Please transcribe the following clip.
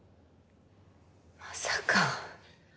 まさか。